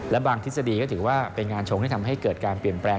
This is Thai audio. และบางทฤษฎีก็ถือว่าเป็นงานชงที่ทำให้เกิดการเปลี่ยนแปลง